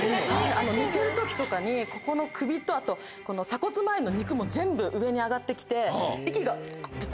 寝てる時とかにここの首とあと鎖骨前の肉も全部上に上がって来て。